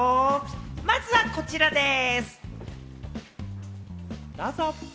まずはこちらです。